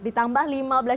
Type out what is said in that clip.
ditambah lima belas juta